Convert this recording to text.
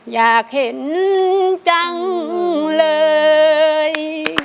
อยากเห็นจังเลย